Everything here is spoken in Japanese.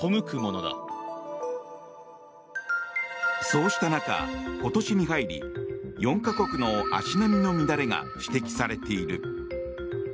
そうした中、今年に入り４か国の足並みの乱れが指摘されている。